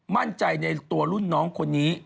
มั่นใจในตัวรุ่นน้องคนนี้